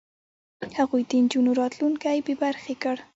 هغوی د نجونو راتلونکی بې برخې کړ.